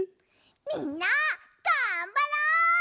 みんながんばろう！